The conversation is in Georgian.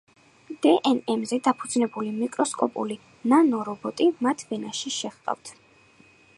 დე-ენ-ემზე დაფუძნებული მიკროსკოპული ნანო-რობოტი მათ ვენაში შეჰყავთ.